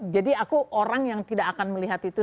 jadi aku orang yang tidak akan melihat itu